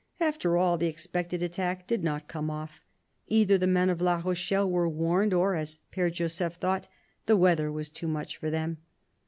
After all, the expected attack did not come off. Either the men of La Rochelle were warned, or, as P^re Joseph thought, the weather was too much for them.